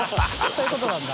そういうことなんだ。